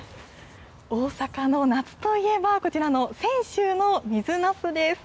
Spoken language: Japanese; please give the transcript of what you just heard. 大阪の夏といえば、こちらの泉州の水なすです。